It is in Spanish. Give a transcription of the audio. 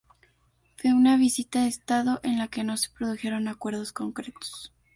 Fue una visita de estado, en la que no se produjeron acuerdos concretos.